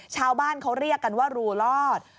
ชาวบ้านเขาเรียกกันว่ารูลอด